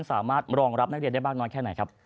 สามารถรองรับนักเรียนได้มากน้อยแค่ไหนครับ